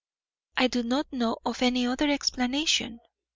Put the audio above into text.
I do not know of any other explanation.